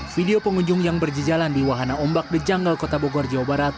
video pengunjung yang berjejalan di wahana ombak the janggal kota bogor jawa barat